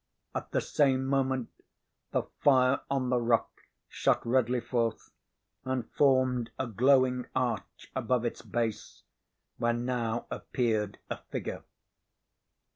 At the same moment the fire on the rock shot redly forth and formed a glowing arch above its base, where now appeared a figure.